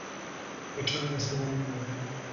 Her tomb is not known.